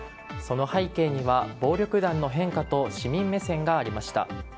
その背景には暴力団の変化と市民目線がありました。